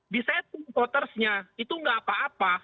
disetting votersnya itu nggak apa apa